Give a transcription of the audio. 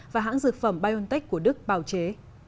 và hãng dược phẩm biontech của đức bào chế